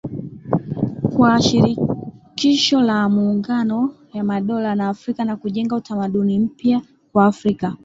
kwa Shirikisho la Maungano ya Madola ya Afrika na kujenga utamaduni mpya kwa Afrika